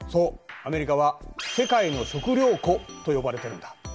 アメリカは世界の食料庫と呼ばれてるんだ。